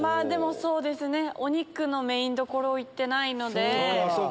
でもそうですねお肉のメインを行ってないので。